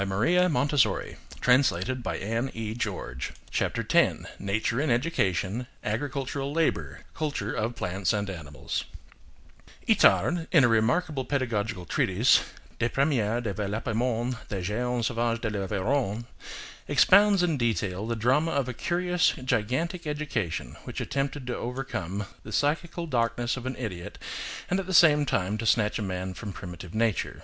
In gatto we hold the voice upon the guttural g. CHAPTER X NATURE IN EDUCATION–AGRICULTURAL LABOUR: CULTURE OF PLANTS AND ANIMALS ITARD, in a remarkable pedagogical treatise: "Des premiers développements du jeune sauvage de l'Aveyron," expounds in detail the drama of a curious, gigantic education which attempted to overcome the psychical darkness of an idiot and at the same time to snatch a man from primitive nature.